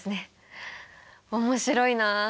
面白いなあ。